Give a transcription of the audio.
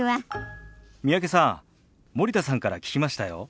三宅さん森田さんから聞きましたよ。